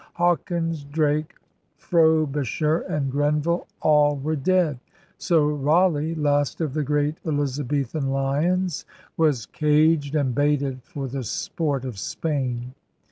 Hawkins, Drake, Frobisher, and Grenville, all were dead. So Raleigh, last of the great Eliza bethan lions, was caged and baited for the sport of Spain.